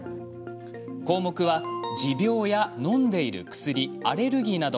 項目は、持病や、のんでいる薬アレルギーなど。